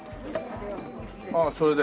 ああそれで。